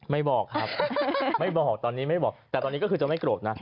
บอกครับไม่บอกตอนนี้ไม่บอกแต่ตอนนี้ก็คือจะไม่โกรธนะ